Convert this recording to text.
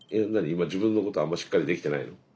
今自分のことあんまりしっかりできてないの？